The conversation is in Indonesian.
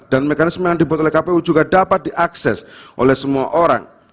dan mekanisme yang dibuat oleh kpu juga dapat diakses oleh semua orang